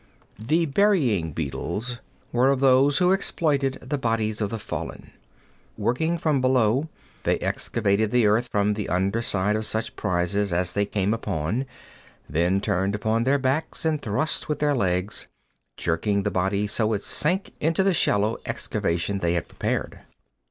The burying beetles were of those who exploited the bodies of the fallen. Working from below, they excavated the earth from the under side of such prizes as they came upon, then turned upon their backs and thrust with their legs, jerking the body so it sank into the shallow excavation they had prepared.